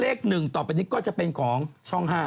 เลข๑ต่อไปนี้ก็จะเป็นของช่อง๕